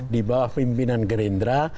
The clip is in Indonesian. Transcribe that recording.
di bawah pimpinan gerindra